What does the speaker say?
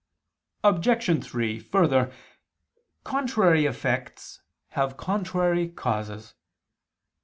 Obj. 3: Further, contrary effects have contrary causes.